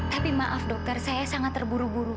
tapi maaf dokter saya sangat terburu buru